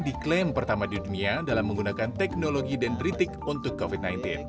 diklaim pertama di dunia dalam menggunakan teknologi dendritik untuk covid sembilan belas